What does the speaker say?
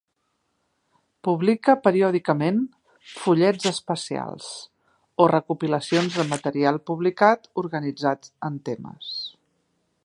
Publica periòdicament "fullets especials" o recopilacions de material publicat organitzat en temes.